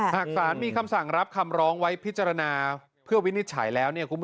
หากสารมีคำสั่งรับคำร้องไว้พิจารณาเพื่อวินิจฉัยแล้ว